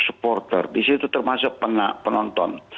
supporter di situ termasuk penonton